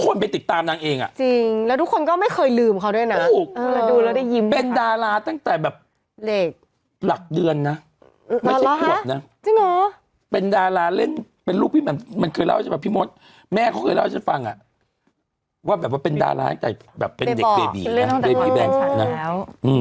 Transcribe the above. คนไปติดตามนางเองอะจริงแล้วทุกคนก็ไม่เคยลืมเขาด้วยนะเป็นดาราตั้งแต่แบบหลักเดือนนะไม่ใช่ครวบนะเป็นดาราเล่นเป็นลูกมันเคยเล่าให้ฉันฟังพี่มดแม่เคยเล่าให้ฉันฟังว่าแบบว่าเป็นดาราแต่แบบเป็นเด็กเบบีเบบีแบงส์ฝันแล้ว